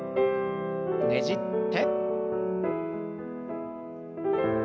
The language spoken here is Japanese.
ねじって。